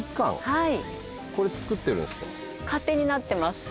はい。